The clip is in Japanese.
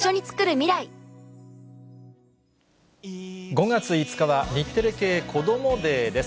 ５月５日は、日テレ系こどもｄａｙです。